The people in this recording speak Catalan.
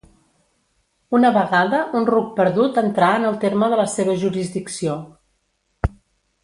Una vegada un ruc perdut entrà en el terme de la seva jurisdicció.